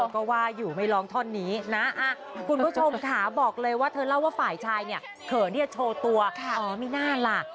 ก็ว่าอยู่ไม่ร้องท่อนนี้นะคุณผู้ชมค่ะบอกเลยว่าเธอเล่าว่าฝ่ายชายเนี่ยเขินที่จะโชว์ตัวอ๋อไม่น่าล่ะ